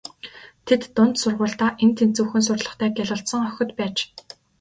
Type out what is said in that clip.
Тэд дунд сургуульдаа эн тэнцүүхэн сурлагатай гялалзсан охид байж.